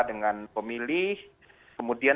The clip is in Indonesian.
dengan pemilih kemudian